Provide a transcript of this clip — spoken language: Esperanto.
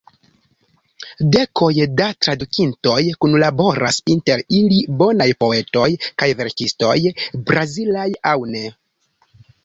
Dekoj da tradukintoj kunlaboras, inter ili bonaj poetoj kaj verkistoj, brazilaj aŭ ne.